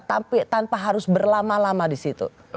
tapi tanpa harus berlama lama di situ